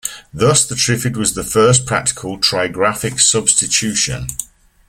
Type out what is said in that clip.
Thus the Trifid was the first practical trigraphic substitution.